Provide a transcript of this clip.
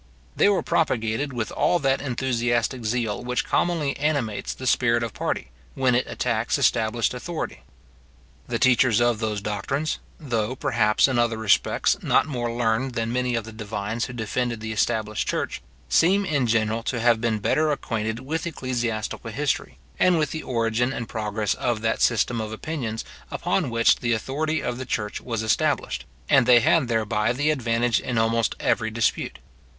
They were propagated with all that enthusiastic zeal which commonly animates the spirit of party, when it attacks established authority. The teachers of those doctrines, though perhaps, in other respects, not more learned than many of the divines who defended the established church, seem in general to have been better acquainted with ecclesiastical history, and with the origin and progress of that system of opinions upon which the authority of the church was established; and they had thereby the advantage in almost every dispute.